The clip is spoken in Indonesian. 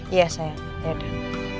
iya sayang dadah